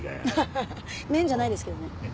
ハハハッメンじゃないですけどね。